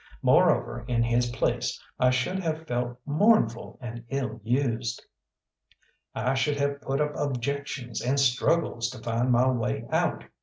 Moreover, in his place I should have felt mournful and ill used. I should have put up objections and struggles to find my way out.